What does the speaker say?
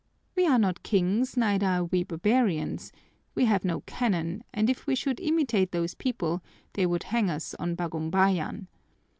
We are not kings, neither are we barbarians; we have no cannon, and if we should imitate those people, they would hang us on Bagumbayan.